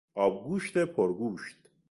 آبگوشت پرگوشت